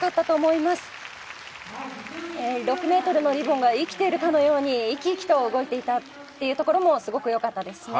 ６メートルのリボンが生きているかのように生き生きと動いていたっていうところもすごくよかったですね。